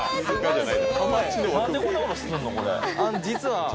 実は。